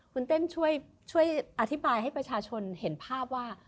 คุณเต้นช่วยอธิบายให้ประชาชนเห็นภาพว่า